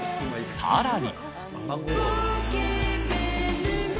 さらに。